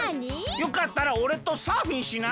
よかったらおれとサーフィンしない？